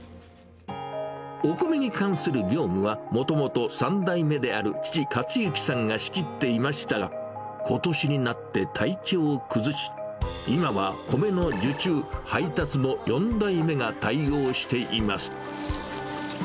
お米に関する業務は、もともと３代目である父、克幸さんが仕切っていましたが、ことしになって体調を崩し、今は米の受注、配達も４代目が対応しています。